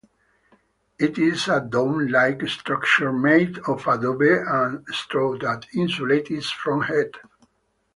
It is a dome-like structure made of adobe and straw that insulates from heat.